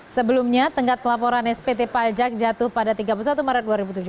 sebelumnya tenggat pelaporan spt pajak jatuh pada tiga puluh satu maret dua ribu tujuh belas